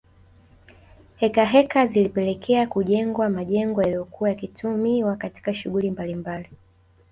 Heka heka zilipelekea kujengwa majengo yaliyokuwa yakitumiwa katika shughuli mbalimbali